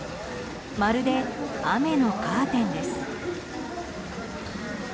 まるで雨のカーテンです。